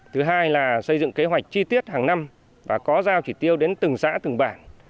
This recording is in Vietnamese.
thứ hai là xây dựng kế hoạch chi tiết hàng năm và có giao chỉ tiêu đến từng xã từng bản